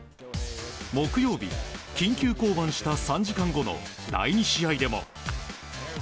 木曜日、緊急降板した３時間後の第２試合でも。